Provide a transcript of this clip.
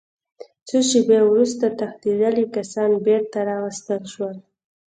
څو شېبې وروسته تښتېدلي کسان بېرته راوستل شول